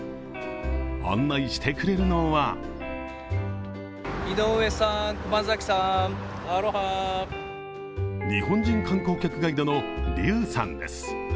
案内してくれるのは日本人観光客ガイドのＲｙｕさんです。